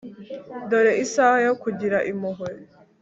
dore isaha yo kugira impuhwe